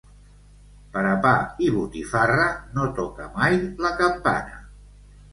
Per a pa i botifarra, no toca mai la campana.